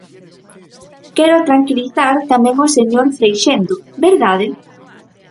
Quero tranquilizar tamén o señor Freixendo, ¿verdade?